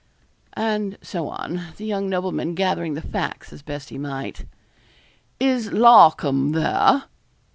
And so on, the young nobleman gathering the facts as best he might. 'Is Larcom there?'